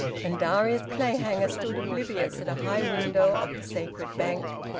And Darius Clayhanger stood oblivious at a high window of the sacred Bank.